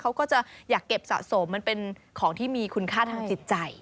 เขาก็จะอยากเก็บสะสมมันเป็นของที่มีคุณค่าทางจิตใจ